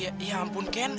ya ampun ken